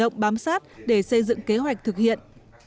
họ cũng bám sát để xây dựng kế hoạch thực hiện